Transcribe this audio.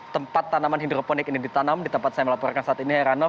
tempat tanaman hidroponik ini ditanam di tempat saya melaporkan saat ini heranov